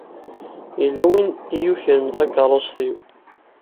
Yella win i yukren takeṛṛust-iw.